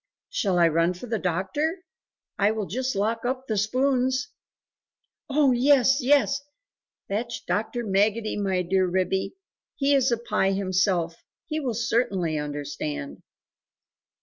"Shall I run for the doctor? I will just lock up the spoons!" "Oh yes, yes! fetch Dr. Maggotty, my dear Ribby: he is a Pie himself, he will certainly understand."